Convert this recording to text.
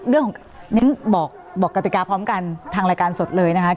เรื่องบอกกรรติกาพร้อมกันทางรายการสดเลยนะฮะ